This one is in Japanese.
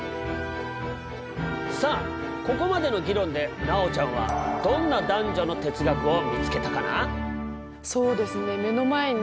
さあここまでの議論で奈央ちゃんはどんな男女の哲学を見つけたかな？